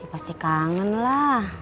pasti kangen lah